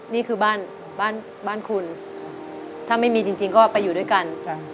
นี่คือบ้านบ้านคุณถ้าไม่มีจริงก็ไปอยู่ด้วยกัน